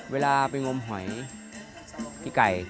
เวลาไปงมหอยพี่ไก่